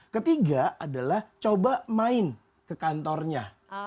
ketiga adalah coba main ke kantornya